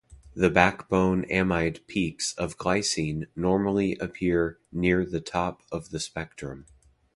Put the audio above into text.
The backbone amide peaks of glycine normally appear near the top of the spectrum.